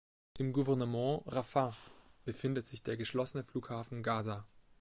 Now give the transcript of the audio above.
Im Gouvernement Rafah befindet sich der geschlossene Flughafen Gaza.